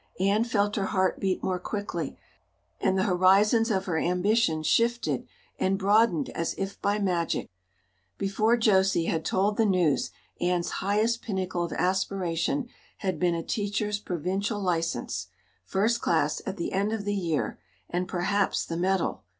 Anne felt her heart beat more quickly, and the horizons of her ambition shifted and broadened as if by magic. Before Josie had told the news Anne's highest pinnacle of aspiration had been a teacher's provincial license, First Class, at the end of the year, and perhaps the medal!